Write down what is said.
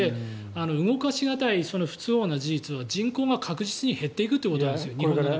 動かし難い不都合な事実は人口が確実に減っていくということです。